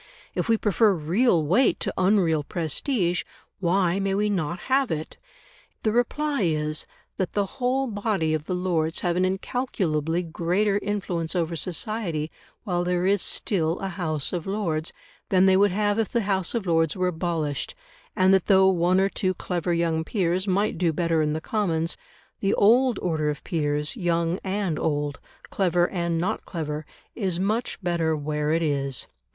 If we prefer real weight to unreal prestige, why may we not have it?" The reply is, that the whole body of the Lords have an incalculably greater influence over society while there is still a House of Lords, than they would have if the House of Lords were abolished; and that though one or two clever young peers might do better in the Commons, the old order of peers, young and old, clever and not clever, is much better where it is.